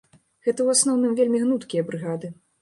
Гэта, у асноўным, вельмі гнуткія брыгады.